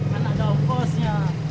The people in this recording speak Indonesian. kan ada bosnya